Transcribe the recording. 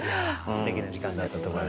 すてきな時間だったと思います。